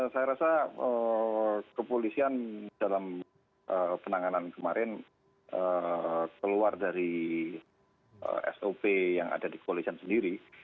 saya rasa kepolisian dalam penanganan kemarin keluar dari sop yang ada di kepolisian sendiri